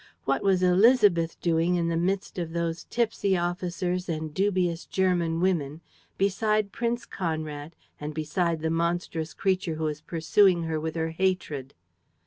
What was Élisabeth doing in the midst of those tipsy officers and dubious German women, beside Prince Conrad and beside the monstrous creature who was pursuing her with her hatred?